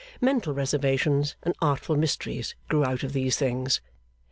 Mental reservations and artful mysteries grew out of these things.